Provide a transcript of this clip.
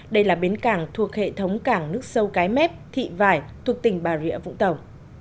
đây là bến cảng thuộc hệ thống cảng nước sâu cái mép thị vải thuộc tỉnh bà rịa vũng tàu